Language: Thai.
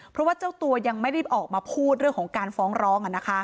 เพราะว่าเจ้าตัวยังไม่ได้ออกมาพูดเรื่องของการฟ้องร้อง